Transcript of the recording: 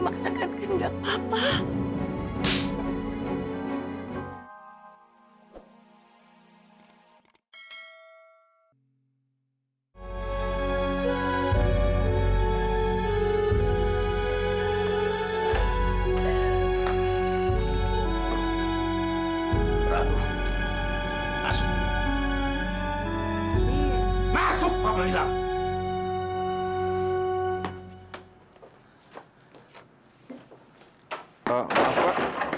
masuk bapak mila